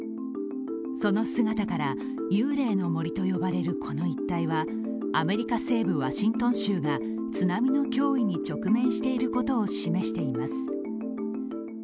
その姿から、幽霊の森と呼ばれるこの一帯はアメリカ西部ワシントン州が津波の脅威に直面していることを示しています。